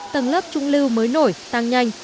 tầng lớp trung lưu mới nổi tăng nhanh